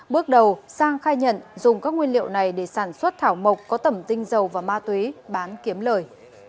bước đầu sang khai nhận dùng các nguyên liệu này để sản xuất thảo mộc có tẩm tinh dầu và ma túy bán kiếm lời